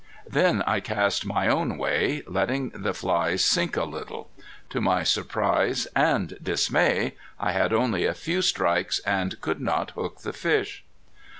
Then I cast my own way, letting the flies sink a little. To my surprise and dismay I had only a few strikes and could not hook the fish.